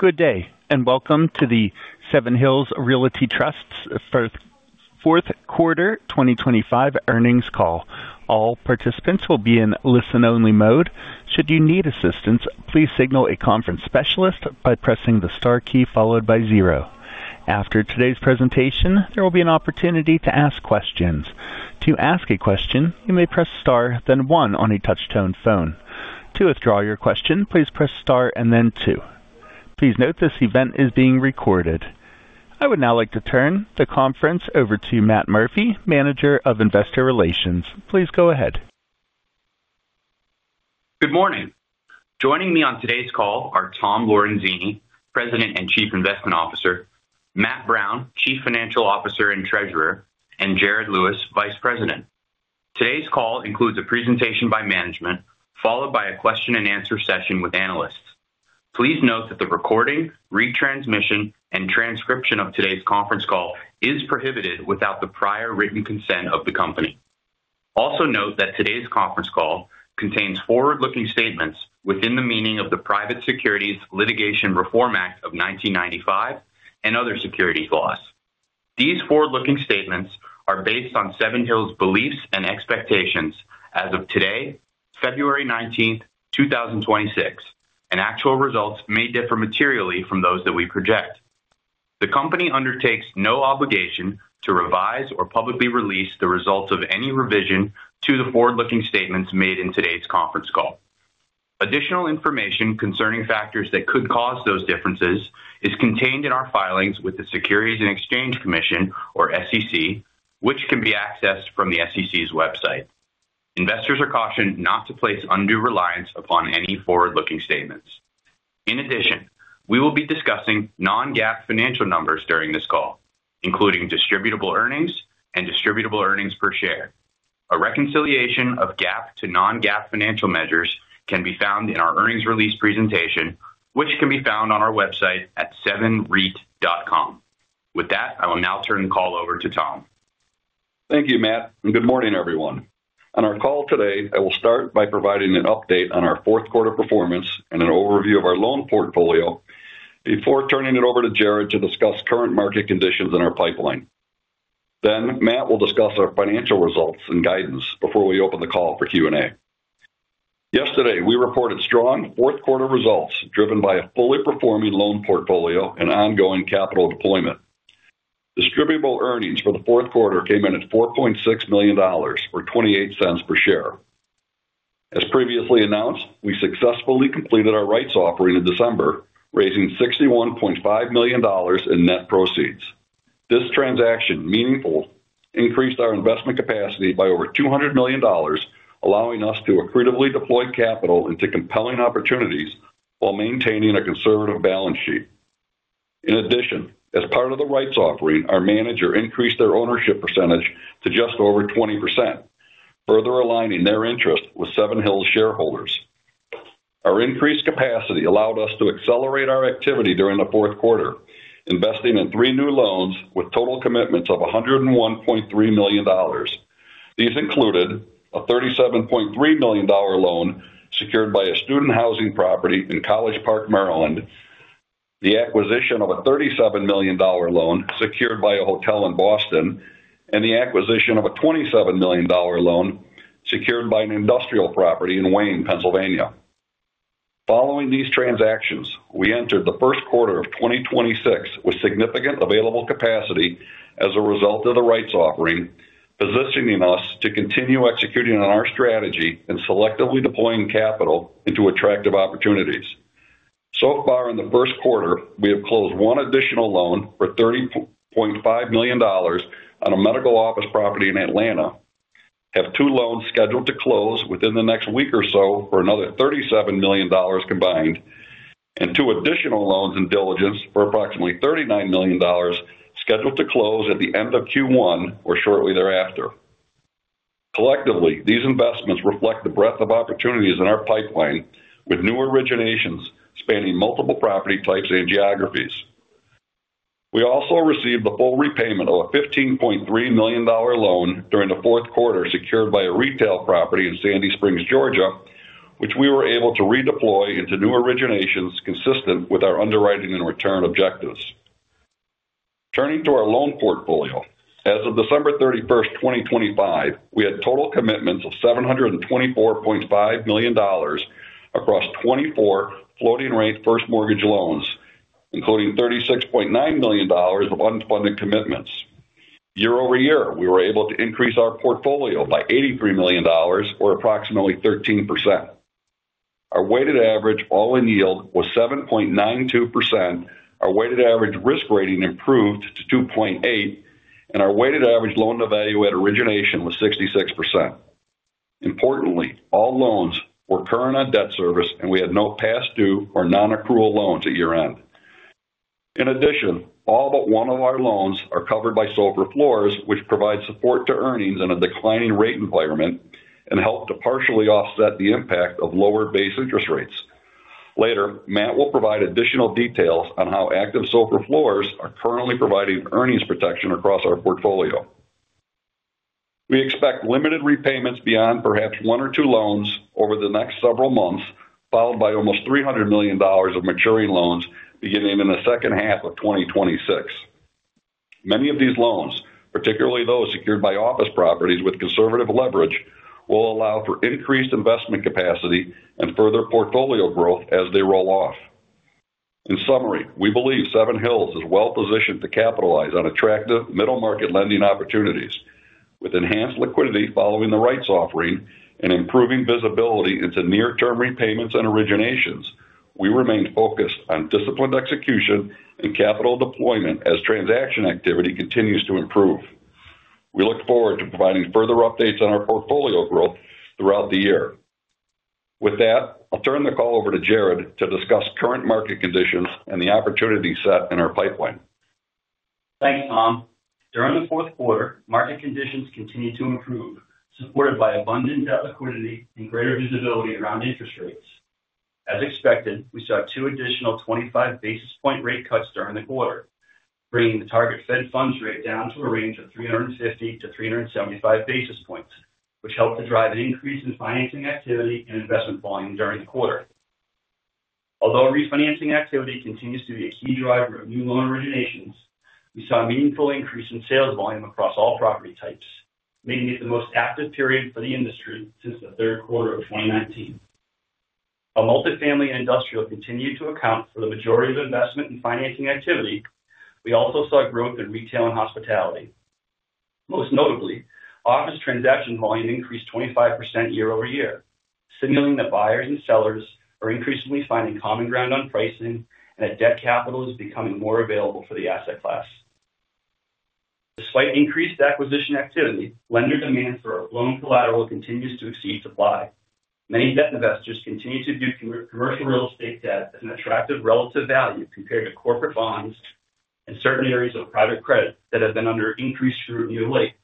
Good day, and welcome to the Seven Hills Realty Trust's fourth quarter 2025 earnings call. All participants will be in listen-only mode. Should you need assistance, please signal a conference specialist by pressing the star key followed by zero. After today's presentation, there will be an opportunity to ask questions. To ask a question, you may press Star, then one on a touch-tone phone. To withdraw your question, please press Star and then two. Please note this event is being recorded. I would now like to turn the conference over to Matt Murphy, Manager of Investor Relations. Please go ahead. Good morning. Joining me on today's call are Tom Lorenzini, President and Chief Investment Officer, Matt Brown, Chief Financial Officer and Treasurer, and Jared Lewis, Vice President. Today's call includes a presentation by management, followed by a question-and-answer session with analysts. Please note that the recording, retransmission, and transcription of today's conference call is prohibited without the prior written consent of the company. Also, note that today's conference call contains forward-looking statements within the meaning of the Private Securities Litigation Reform Act of 1995 and other securities laws. These forward-looking statements are based on Seven Hills' beliefs and expectations as of today, February 19, 2026, and actual results may differ materially from those that we project. The company undertakes no obligation to revise or publicly release the results of any revision to the forward-looking statements made in today's conference call. Additional information concerning factors that could cause those differences is contained in our filings with the Securities and Exchange Commission, or SEC, which can be accessed from the SEC's website. Investors are cautioned not to place undue reliance upon any forward-looking statements. In addition, we will be discussing non-GAAP financial numbers during this call, including distributable earnings and distributable earnings per share. A reconciliation of GAAP to non-GAAP financial measures can be found in our earnings release presentation, which can be found on our website at sevnreit.com. With that, I will now turn the call over to Tom. Thank you, Matt, and good morning, everyone. On our call today, I will start by providing an update on our fourth quarter performance and an overview of our loan portfolio before turning it over to Jared to discuss current market conditions in our pipeline. Then Matt will discuss our financial results and guidance before we open the call for Q&A. Yesterday, we reported strong fourth quarter results, driven by a fully performing loan portfolio and ongoing capital deployment. Distributable Earnings for the fourth quarter came in at $4.6 million, or $0.28 per share. As previously announced, we successfully completed our rights offering in December, raising $61.5 million in net proceeds. This transaction meaningfully increased our investment capacity by over $200 million, allowing us to accretively deploy capital into compelling opportunities while maintaining a conservative balance sheet. In addition, as part of the rights offering, our manager increased their ownership percentage to just over 20%, further aligning their interest with Seven Hills shareholders. Our increased capacity allowed us to accelerate our activity during the fourth quarter, investing in three new loans with total commitments of $101.3 million. These included a $37.3 million loan secured by a student housing property in College Park, Maryland, the acquisition of a $37 million loan secured by a hotel in Boston, and the acquisition of a $27 million loan secured by an industrial property in Wayne, Pennsylvania. Following these transactions, we entered the first quarter of 2026 with significant available capacity as a result of the rights offering, positioning us to continue executing on our strategy and selectively deploying capital into attractive opportunities. So far in the first quarter, we have closed one additional loan for $30.5 million on a medical office property in Atlanta, have two loans scheduled to close within the next week or so for another $37 million combined, and two additional loans in diligence for approximately $39 million, scheduled to close at the end of Q1 or shortly thereafter. Collectively, these investments reflect the breadth of opportunities in our pipeline, with new originations spanning multiple property types and geographies. We also received the full repayment of a $15.3 million loan during the fourth quarter, secured by a retail property in Sandy Springs, Georgia, which we were able to redeploy into new originations consistent with our underwriting and return objectives. Turning to our loan portfolio. As of December 31st, 2025, we had total commitments of $724.5 million across 24 floating-rate first mortgage loans, including $36.9 million of unfunded commitments. Year-over-year, we were able to increase our portfolio by $83 million, or approximately 13%. Our weighted average all-in yield was 7.92%, our weighted average risk rating improved to 2.8, and our weighted average loan-to-value at origination was 66%. Importantly, all loans were current on debt service, and we had no past due or non-accrual loans at year-end. In addition, all but one of our loans are covered by SOFR floors, which provide support to earnings in a declining rate environment and help to partially offset the impact of lower base interest rates. Later, Matt will provide additional details on how active SOFR floors are currently providing earnings protection across our portfolio. We expect limited repayments beyond perhaps one or two loans over the next several months, followed by almost $300 million of maturing loans beginning in the second half of 2026. Many of these loans, particularly those secured by office properties with conservative leverage, will allow for increased investment capacity and further portfolio growth as they roll off. In summary, we believe Seven Hills is well positioned to capitalize on attractive middle-market lending opportunities. With enhanced liquidity following the rights offering and improving visibility into near-term repayments and originations, we remain focused on disciplined execution and capital deployment as transaction activity continues to improve. We look forward to providing further updates on our portfolio growth throughout the year. With that, I'll turn the call over to Jared to discuss current market conditions and the opportunity set in our pipeline. Thanks, Tom. During the fourth quarter, market conditions continued to improve, supported by abundant debt liquidity and greater visibility around interest rates. As expected, we saw two additional 25 basis point rate cuts during the quarter, bringing the target Fed funds rate down to a range of 350-375 basis points, which helped to drive an increase in financing activity and investment volume during the quarter. Although refinancing activity continues to be a key driver of new loan originations, we saw a meaningful increase in sales volume across all property types, making it the most active period for the industry since the third quarter of 2019. While multifamily and industrial continued to account for the majority of investment and financing activity, we also saw growth in retail and hospitality. Most notably, office transaction volume increased 25% year-over-year, signaling that buyers and sellers are increasingly finding common ground on pricing and that debt capital is becoming more available for the asset class. Despite increased acquisition activity, lender demand for loan collateral continues to exceed supply. Many debt investors continue to view commercial real estate debt as an attractive relative value compared to corporate bonds and certain areas of private credit that have been under increased scrutiny lately.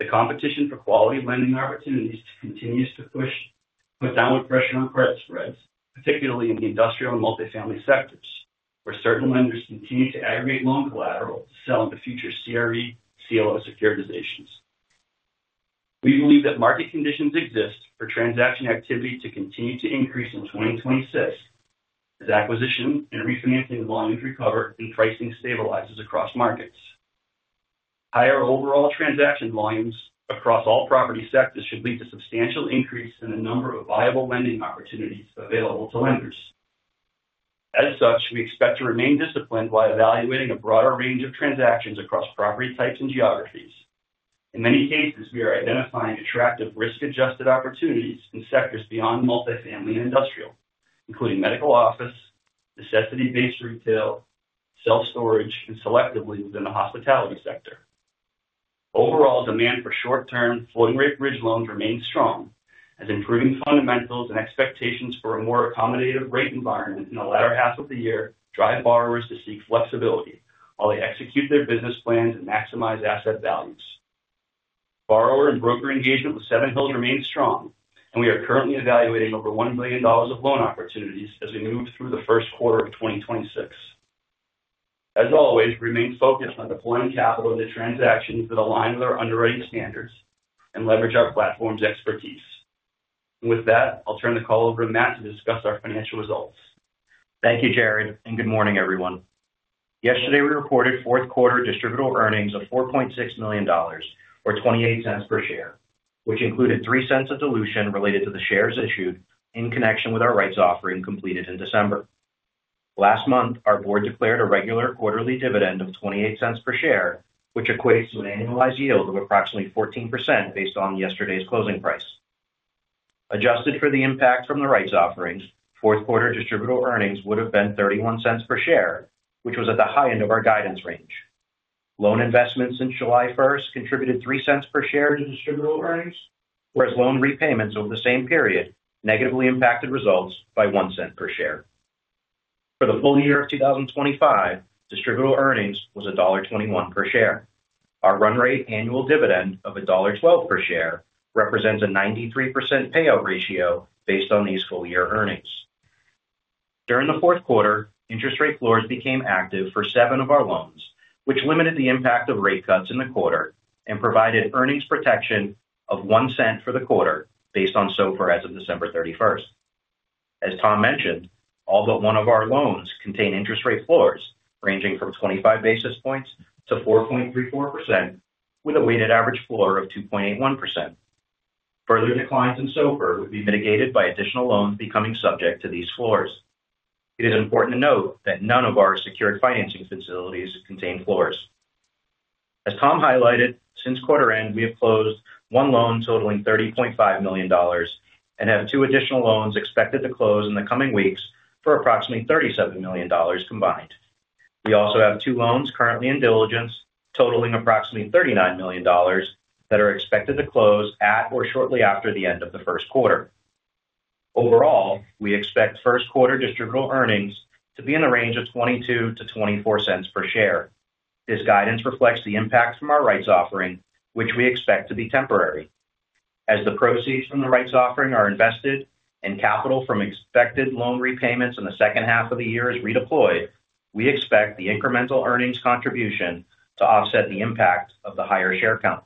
The competition for quality lending opportunities continues to put downward pressure on credit spreads, particularly in the industrial and multifamily sectors, where certain lenders continue to aggregate loan collateral to sell into future CRE CLO securitizations. We believe that market conditions exist for transaction activity to continue to increase in 2026, as acquisition and refinancing volumes recover and pricing stabilizes across markets. Higher overall transaction volumes across all property sectors should lead to substantial increase in the number of viable lending opportunities available to lenders. As such, we expect to remain disciplined while evaluating a broader range of transactions across property types and geographies. In many cases, we are identifying attractive risk-adjusted opportunities in sectors beyond multifamily and industrial, including medical office, necessity-based retail, self-storage, and selectively within the hospitality sector. Overall, demand for short-term floating rate bridge loans remains strong, as improving fundamentals and expectations for a more accommodative rate environment in the latter half of the year drive borrowers to seek flexibility while they execute their business plans and maximize asset values. Borrower and broker engagement with Seven Hills remains strong, and we are currently evaluating over $1 million of loan opportunities as we move through the first quarter of 2026. As always, we remain focused on deploying capital into transactions that align with our underwriting standards and leverage our platform's expertise. With that, I'll turn the call over to Matt to discuss our financial results. Thank you, Jared, and good morning, everyone. Yesterday, we reported fourth quarter distributable earnings of $4.6 million, or $0.28 per share, which included $0.03 of dilution related to the shares issued in connection with our rights offering completed in December. Last month, our board declared a regular quarterly dividend of $0.28 per share, which equates to an annualized yield of approximately 14% based on yesterday's closing price. Adjusted for the impact from the rights offering, fourth quarter distributable earnings would have been $0.31 per share, which was at the high end of our guidance range. Loan investments since July 1st contributed $0.03 per share to distributable earnings, whereas loan repayments over the same period negatively impacted results by $0.01 per share. For the full year of 2025, distributable earnings was $1.21 per share. Our run rate annual dividend of $1.12 per share represents a 93% payout ratio based on these full year earnings. During the fourth quarter, interest rate floors became active for seven of our loans, which limited the impact of rate cuts in the quarter and provided earnings protection of $0.01 for the quarter based on SOFR as of December 31st. As Tom mentioned, all but one of our loans contain interest rate floors ranging from 25 basis points to 4.34%, with a weighted average floor of 2.81%. Further declines in SOFR would be mitigated by additional loans becoming subject to these floors. It is important to note that none of our secured financing facilities contain floors. As Tom highlighted, since quarter end, we have closed one loan totaling $30.5 million and have two additional loans expected to close in the coming weeks for approximately $37 million combined. We also have two loans currently in diligence, totaling approximately $39 million, that are expected to close at or shortly after the end of the first quarter. Overall, we expect first quarter distributable earnings to be in the range of 22-24 cents per share. This guidance reflects the impact from our rights offering, which we expect to be temporary, as the proceeds from the rights offering are invested and capital from expected loan repayments in the second half of the year is redeployed, we expect the incremental earnings contribution to offset the impact of the higher share count.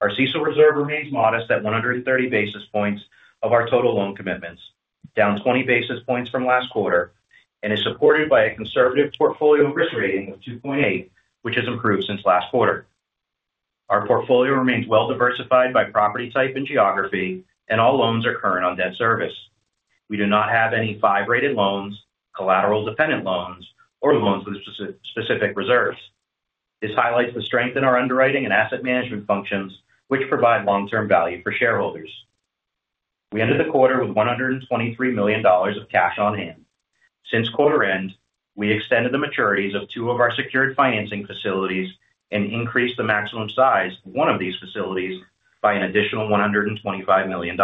Our CECL reserve remains modest at 130 basis points of our total loan commitments, down 20 basis points from last quarter, and is supported by a conservative portfolio risk rating of 2.8, which has improved since last quarter. Our portfolio remains well diversified by property type and geography, and all loans are current on debt service. We do not have any 5-rated loans, collateral-dependent loans, or loans with specific reserves. This highlights the strength in our underwriting and asset management functions, which provide long-term value for shareholders. We ended the quarter with $123 million of cash on hand. Since quarter end, we extended the maturities of two of our secured financing facilities and increased the maximum size of one of these facilities by an additional $125 million.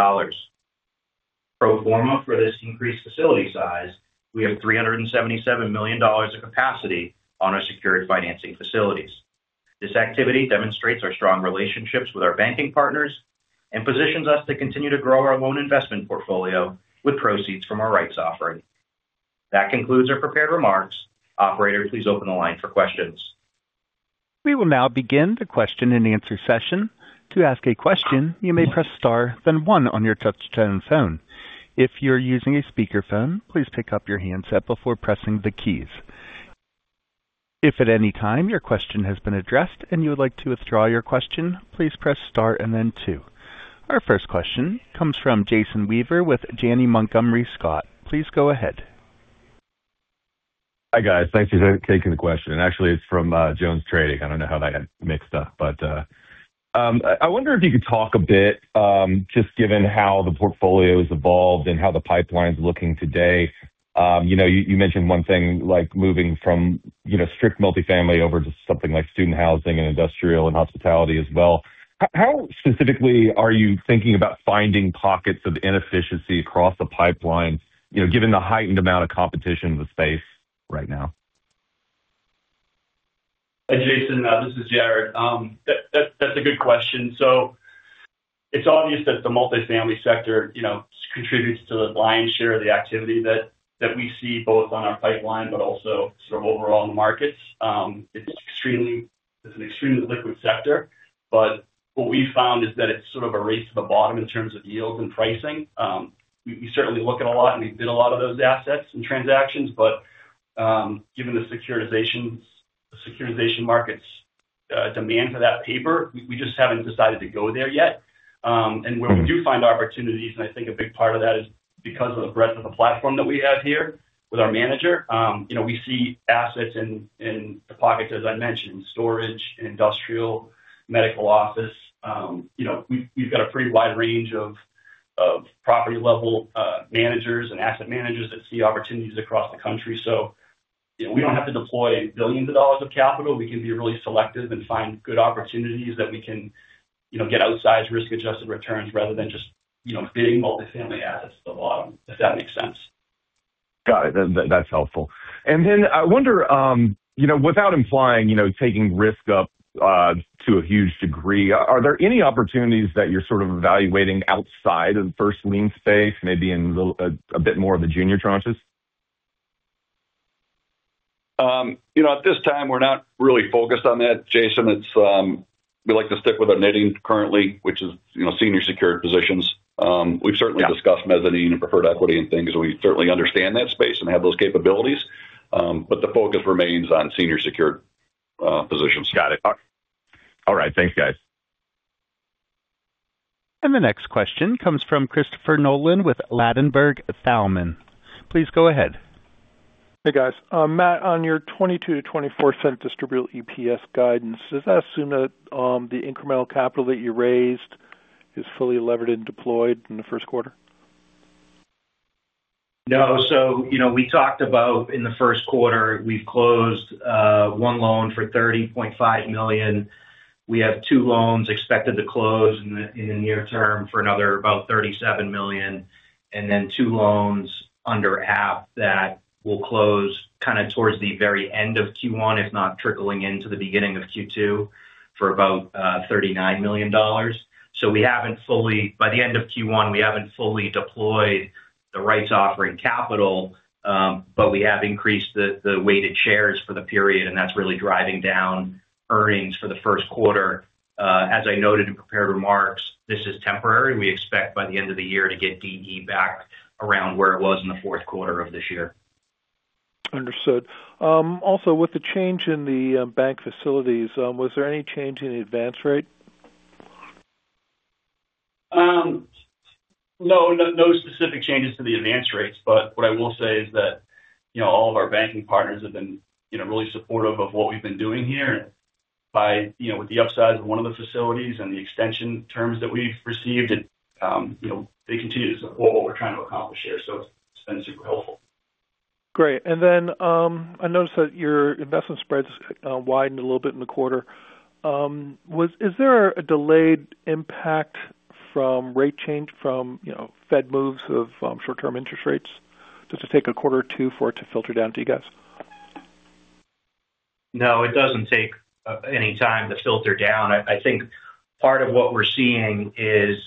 Pro forma for this increased facility size, we have $377 million of capacity on our secured financing facilities. This activity demonstrates our strong relationships with our banking partners and positions us to continue to grow our loan investment portfolio with proceeds from our rights offering. That concludes our prepared remarks. Operator, please open the line for questions. We will now begin the question-and-answer session. To ask a question, you may press star, then one on your touchtone phone. If you're using a speakerphone, please pick up your handset before pressing the keys. If at any time your question has been addressed and you would like to withdraw your question, please press star and then two. Our first question comes from Jason Weaver with Janney Montgomery Scott. Please go ahead. Hi, guys. Thanks for taking the question. Actually, it's from JonesTrading. I don't know how that got mixed up, but I wonder if you could talk a bit, just given how the portfolio has evolved and how the pipeline is looking today. You know, you mentioned one thing like moving from, you know, strict multifamily over to something like student housing and industrial and hospitality as well. How specifically are you thinking about finding pockets of inefficiency across the pipeline, you know, given the heightened amount of competition in the space right now? Hi, Jason. This is Jared. That's a good question. So it's obvious that the multifamily sector, you know, contributes to the lion's share of the activity that we see both on our pipeline, but also sort of overall in the markets. It's an extremely liquid sector, but what we've found is that it's sort of a race to the bottom in terms of yields and pricing. We certainly look at a lot, and we bid a lot of those assets and transactions, but given the securitization markets, demand for that paper, we just haven't decided to go there yet. And where we do find opportunities, and I think a big part of that is because of the breadth of the platform that we have here with our manager, you know, we see assets in the pockets, as I mentioned, storage, industrial, medical office. You know, we've got a pretty wide range of property-level managers and asset managers that see opportunities across the country. So, you know, we don't have to deploy billions of capital. We can be really selective and find good opportunities that we can, you know, get outsized risk-adjusted returns rather than just, you know, bidding multifamily assets at the bottom, if that makes sense. Got it. That, that's helpful. And then I wonder, you know, without implying, you know, taking risk up to a huge degree, are there any opportunities that you're sort of evaluating outside of the first lien space, maybe in a little bit more of the junior tranches? You know, at this time, we're not really focused on that, Jason. It's, we like to stick with our knitting currently, which is, you know, senior secured positions. We've certainly discussed mezzanine and preferred equity and things. We certainly understand that space and have those capabilities. But the focus remains on senior secured positions. Got it. All right. Thanks, guys. The next question comes from Christopher Nolan with Ladenburg Thalmann. Please go ahead. Hey, guys. Matt, on your $0.22-$0.24 distributable EPS guidance, does that assume that the incremental capital that you raised is fully levered and deployed in the first quarter? No. So, you know, we talked about in the first quarter, we've closed one loan for $30.5 million. We have two loans expected to close in the near term for another about $37 million, and then two loans under app that will close kinda towards the very end of Q1, if not trickling into the beginning of Q2, for about $39 million. So we haven't fully, by the end of Q1, we haven't fully deployed the rights offering capital, but we have increased the weighted shares for the period, and that's really driving down earnings for the first quarter. As I noted in prepared remarks, this is temporary, and we expect by the end of the year to get DE back around where it was in the fourth quarter of this year. Understood. Also, with the change in the bank facilities, was there any change in the advance rate? No, no, no specific changes to the advance rates, but what I will say is that, you know, all of our banking partners have been, you know, really supportive of what we've been doing here by, you know, with the upsize of one of the facilities and the extension terms that we've received, you know, they continue to support what we're trying to accomplish here, so it's been super helpful. Great. And then, I noticed that your investment spreads widened a little bit in the quarter. Is there a delayed impact from rate change from, you know, Fed moves of short-term interest rates? Does it take a quarter or two for it to filter down to you guys? ...No, it doesn't take any time to filter down. I, I think part of what we're seeing is,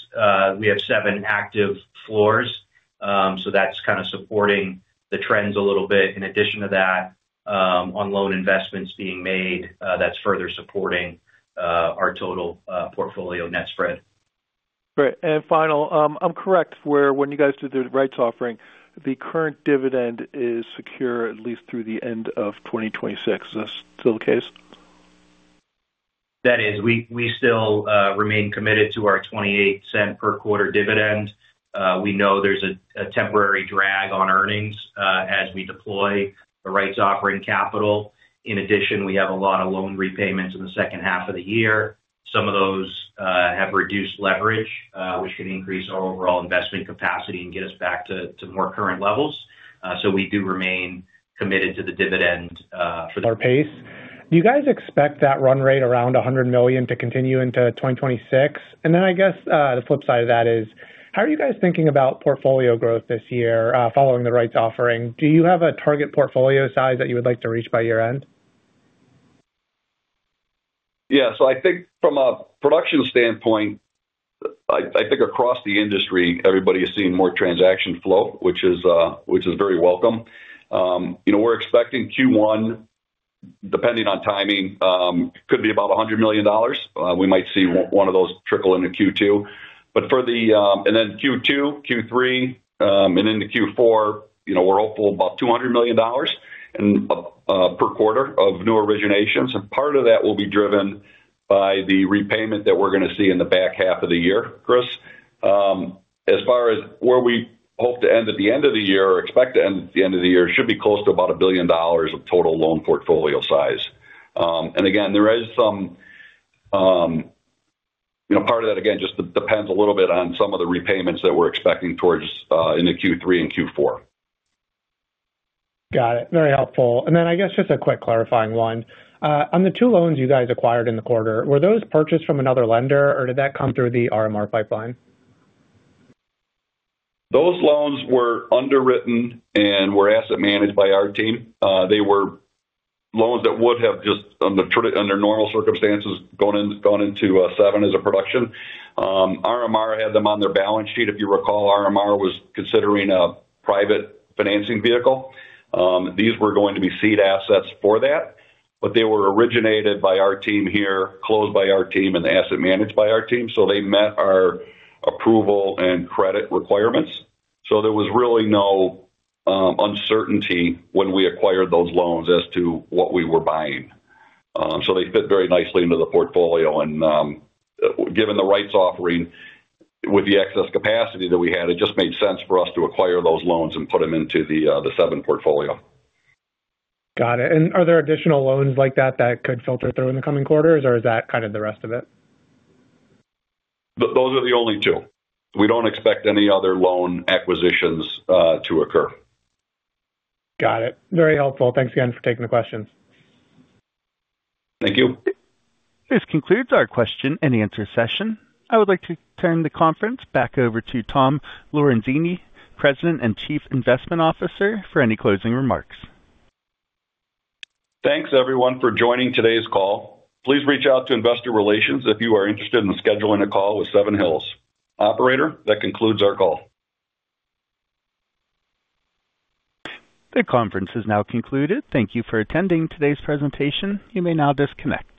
we have seven active loans. So that's kind of supporting the trends a little bit. In addition to that, on loan investments being made, that's further supporting our total portfolio net spread. Great. And final, I'm correct where when you guys did the rights offering, the current dividend is secure, at least through the end of 2026. Is that still the case? That is. We still remain committed to our $0.28 per quarter dividend. We know there's a temporary drag on earnings as we deploy the rights offering capital. In addition, we have a lot of loan repayments in the second half of the year. Some of those have reduced leverage, which should increase our overall investment capacity and get us back to more current levels. So we do remain committed to the dividend, for- Do you guys expect that run rate around $100 million to continue into 2026? And then I guess, the flip side of that is, how are you guys thinking about portfolio growth this year, following the rights offering? Do you have a target portfolio size that you would like to reach by year-end? Yeah. So I think from a production standpoint, I think across the industry, everybody is seeing more transaction flow, which is very welcome. You know, we're expecting Q1, depending on timing, could be about $100 million. We might see one of those trickle into Q2. But for the... And then Q2, Q3, and into Q4, you know, we're hopeful about $200 million per quarter of new originations. And part of that will be driven by the repayment that we're going to see in the back half of the year, Chris. As far as where we hope to end at the end of the year or expect to end at the end of the year, should be close to about $1 billion of total loan portfolio size. And again, there is some, you know, part of that, again, just depends a little bit on some of the repayments that we're expecting towards, into Q3 and Q4. Got it. Very helpful. And then I guess just a quick clarifying one. On the two loans you guys acquired in the quarter, were those purchased from another lender, or did that come through the RMR pipeline? Those loans were underwritten and were asset managed by our team. They were loans that would have just, under normal circumstances, gone in, gone into seven as a production. RMR had them on their balance sheet. If you recall, RMR was considering a private financing vehicle. These were going to be seed assets for that, but they were originated by our team here, closed by our team, and asset managed by our team, so they met our approval and credit requirements. So there was really no uncertainty when we acquired those loans as to what we were buying. So they fit very nicely into the portfolio. And given the rights offering with the excess capacity that we had, it just made sense for us to acquire those loans and put them into the Seven portfolio. Got it. And are there additional loans like that, that could filter through in the coming quarters, or is that kind of the rest of it? Those are the only two. We don't expect any other loan acquisitions to occur. Got it. Very helpful. Thanks again for taking the questions. Thank you. This concludes our question and answer session. I would like to turn the conference back over to Tom Lorenzini, President and Chief Investment Officer, for any closing remarks. Thanks, everyone, for joining today's call. Please reach out to Investor Relations if you are interested in scheduling a call with Seven Hills. Operator, that concludes our call. The conference is now concluded. Thank you for attending today's presentation. You may now disconnect.